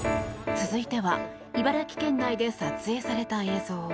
続いては、茨城県内で撮影された映像。